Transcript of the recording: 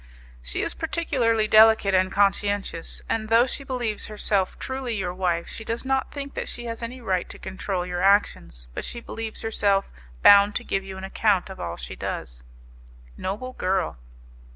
"She is particularly delicate and conscientious, and though she believes herself truly your wife, she does not think that she has any right to control your actions, but she believes herself bound to give you an account of all she does." "Noble girl!"